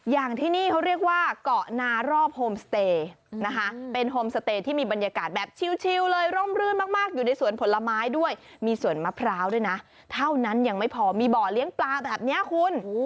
อย่างที่นี่เขาเรียกว่าเกาะนารอบโฮมสเตย์นะคะเป็นโฮมสเตย์ที่มีบรรยากาศแบบชิลเลยร่มรื่นมากอยู่ในสวนผลไม้ด้วยมีสวนมะพร้าวด้วยนะเท่านั้นยังไม่พอมีบ่อเลี้ยงปลาแบบนี้คุณ